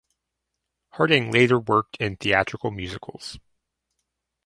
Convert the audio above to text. Harding later worked in theatrical musicals.